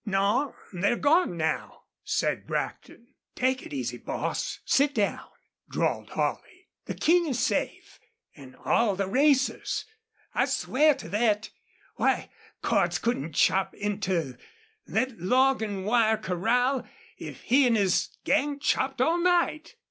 "No, they're gone now," said Brackton. "Take it easy, boss. Sit down," drawled Holley. "The King is safe, an' all the racers. I swear to thet. Why, Cordts couldn't chop into thet log an' wire corral if he an' his gang chopped all night!